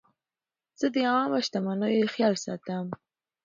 زه د عامه شتمنیو خیال ساتم.